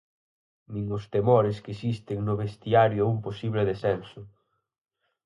Nin os temores que existen no vestiario a un posible descenso.